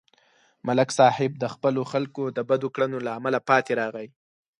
ملک صاحب د خپلو خلکو د بدو کړنو له امله پاتې راغی